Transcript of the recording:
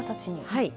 はい。